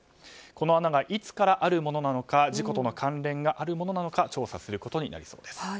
この穴がいつからあるものなのか事故との関連があるものなのか調査することになりそうです。